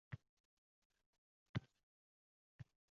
Tumanli manzilga, baland kenglikka.